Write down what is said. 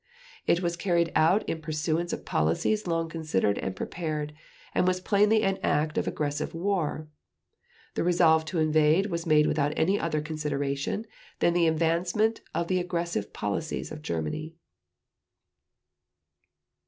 It was carried out in pursuance of policies long considered and prepared, and was plainly an act of aggressive war. The resolve to invade was made without any other consideration than the advancement of the aggressive policies of Germany.